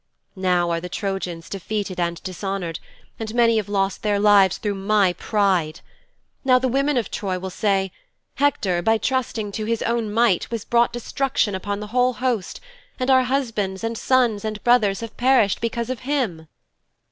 Now are the Trojans defeated and dishonoured and many have lost their lives through my pride. Now the women of Troy will say, 'Hector, by trusting to his own might, has brought destruction upon the whole host and our husbands and sons and brothers have perished because of him.'